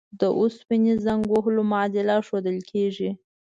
د اوسپنې زنګ وهلو معادله ښودل کیږي.